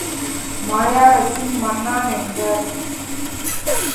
மலையாளத்தில் மண்ணான் என்பர்.